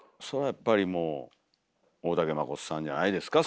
やっぱりもう大竹まことさんじゃないですか？